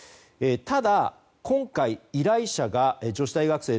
ただ今回、依頼者が女子大学生。